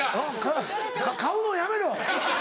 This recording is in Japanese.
飼うのやめろ！